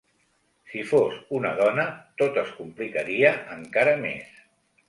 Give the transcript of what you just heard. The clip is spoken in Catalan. Si fos una dona tot es complicaria encara més.